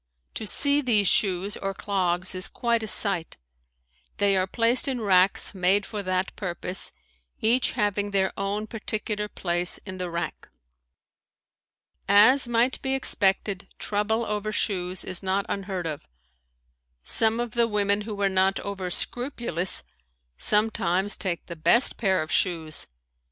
To see these shoes, or clogs, is quite a sight. They are placed in racks made for that purpose, each having their own particular place in the rack. As might be expected trouble over shoes is not unheard of. Some of the women who are not over scrupulous sometimes take the best pair of shoes.